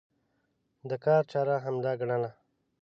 د کار چاره همدا ګڼله.